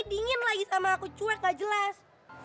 dingin lagi sama aku cuek gak jelas